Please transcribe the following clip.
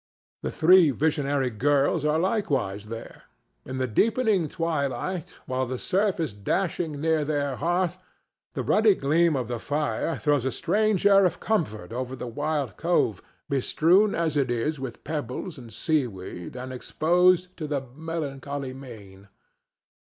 The three visionary girls are likewise there. In the deepening twilight, while the surf is dashing near their hearth, the ruddy gleam of the fire throws a strange air of comfort over the wild cove, bestrewn as it is with pebbles and seaweed and exposed to the "melancholy main."